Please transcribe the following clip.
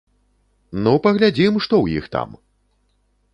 Ну паглядзім, што ў іх там!